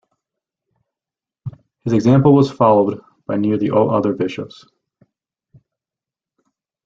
His example was followed by nearly all other Bishops.